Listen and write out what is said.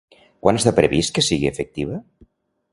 Quan està previst que sigui efectiva?